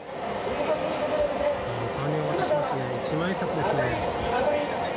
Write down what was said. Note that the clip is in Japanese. お金を渡してましたね、一万円札ですね。